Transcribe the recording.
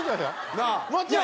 なあ？